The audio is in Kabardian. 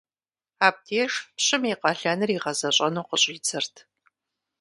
Абдеж пщым и къалэныр игъэзэщӀэну къыщӀидзэрт.